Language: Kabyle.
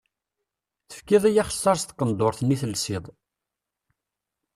Tefkiḍ-iyi axessaṛ s tqendurt-nni telsiḍ.